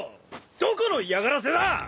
どこの嫌がらせだ！